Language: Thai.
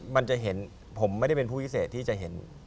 มันจะเห็นผมไม่ได้เป็นผู้พิเศษที่จะเห็น